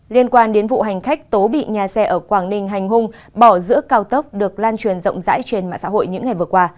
liên quan đến vụ hành khách tố bị nhà xe ở quảng ninh hành hung bỏ giữa cao tốc được lan truyền rộng rãi trên mạng xã hội những ngày vừa qua